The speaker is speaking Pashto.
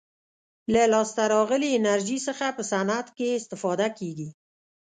له لاسته راغلې انرژي څخه په صنعت کې استفاده کیږي.